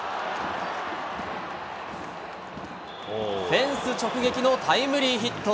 フェンス直撃のタイムリーヒット。